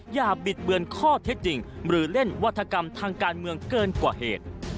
บิดเบือนข้อเท็จจริงหรือเล่นวัฒกรรมทางการเมืองเกินกว่าเหตุ